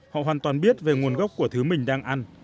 họ hoàn toàn biết về nguồn gốc của thứ mình đang ăn